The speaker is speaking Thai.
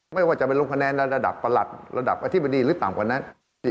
ไม่ว่าจะไปลงคะแนนในระดับประหลัดระดับอธิบดีหรือต่ำกว่านั้น